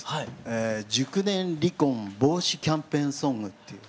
熟年離婚防止キャンペーンソングという。